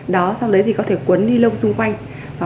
đó sau đấy thì có thể cuốn đi lông xung quanh